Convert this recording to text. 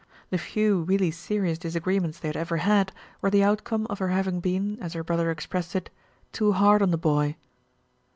The few really serious disagreements they had ever had were the outcome of her having been, as her brother expressed it, "too hard on the boy."